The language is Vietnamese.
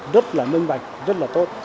rất là nâng vạch rất là tốt